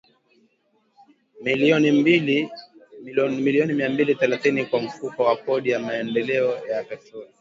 milioni mia mbili themanini kwa Mfuko wa Kodi ya Maendeleo ya Petroli